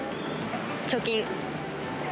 貯金。